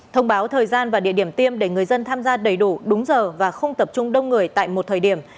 thông báo thời gian và địa điểm tiêm để người dân tham gia đầy đủ đúng giờ và không tập trung đông người tại một thời điểm